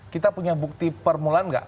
kita punya bukti permulaan nggak